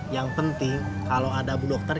yang penting kalau ada bu dokter